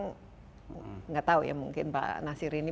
tidak tahu ya mungkin pak nasir ini